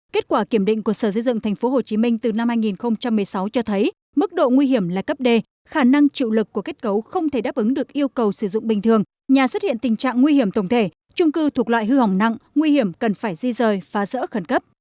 kết quả kiểm định của sở di dựng tp hcm từ năm hai nghìn một mươi sáu cho thấy mức độ nguy hiểm là cấp d khả năng chịu lực của kết cấu không thể đáp ứng được yêu cầu sử dụng bình thường nhà xuất hiện tình trạng nguy hiểm tổng thể trung cư thuộc loại hư hỏng nặng nguy hiểm cần phải di rời phá rỡ khẩn cấp